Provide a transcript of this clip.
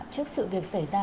trước sự việc xảy ra